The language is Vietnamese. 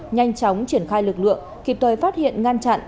nhanh chóng triển khai lực lượng kịp thời phát hiện ngăn chặn